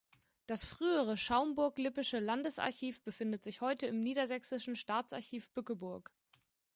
Das frühere Schaumburg-Lippische Landesarchiv befindet sich heute im niedersächsischen Staatsarchiv Bückeburg.